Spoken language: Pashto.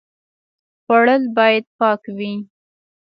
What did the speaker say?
خوړل باید پاک وي